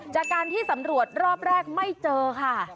จากการที่สำรวจรอบแรกไม่เจอค่ะ